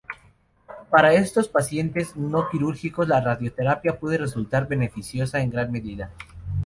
Para estos pacientes no quirúrgicos la radioterapia puede resultar beneficiosa en gran medida.